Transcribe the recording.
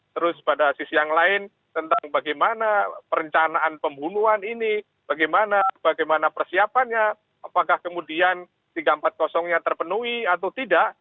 terus pada sisi yang lain tentang bagaimana perencanaan pembunuhan ini bagaimana persiapannya apakah kemudian tiga ratus empat puluh nya terpenuhi atau tidak